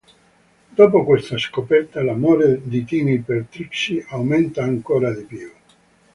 Dopo questa scoperta, l'amore di Timmy per Trixie aumenta ancora di più.